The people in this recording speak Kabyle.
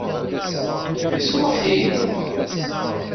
Yesṛuḥ-it?